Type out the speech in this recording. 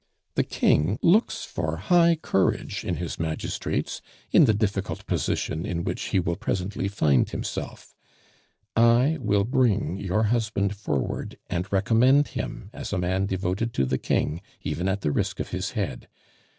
The King looks for high courage in his magistrates in the difficult position in which he will presently find himself; I will bring your husband forward, and recommend him as a man devoted to the King even at the risk of his head.